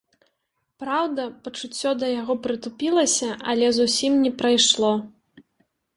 Праўда, пачуццё да яго прытупілася, але зусім не прайшло.